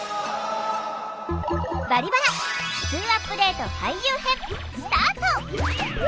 「バリバラふつうアップデート俳優編」スタート！